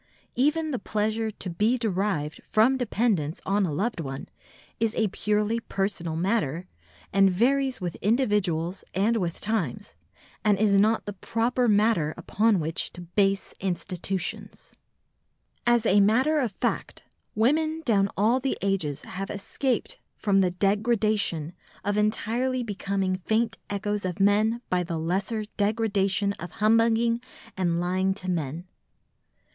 Even the pleasure to be derived from dependence on a loved one is a purely personal matter, and varies with individuals and with times, and is not proper matter upon which to base institutions. As a matter of fact, women down all the ages have escaped from the degradation of entirely becoming faint echoes of men by the lesser degradation of humbugging and lying to men.